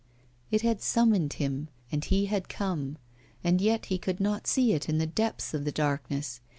It had summoned him, and he had come, and yet he could not see it in the depths of the darkness.